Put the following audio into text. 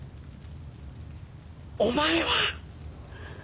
お前は！